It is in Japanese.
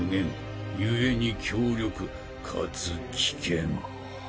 故に強力かつ危険。